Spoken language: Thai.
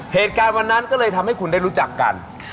เหตุการณ์วันนั้นก็เลยทำให้คุณได้รู้จักกัน